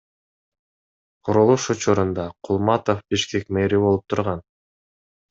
Курулуш учурунда Кулматов Бишкек мэри болуп турган.